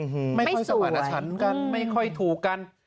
ไม่สวยไม่ค่อยสะพานชั้นกันไม่ค่อยถูกกัน